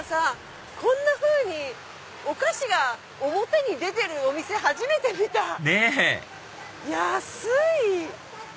こんなふうにお菓子が表に出てるお店初めて見た！ねぇ安い！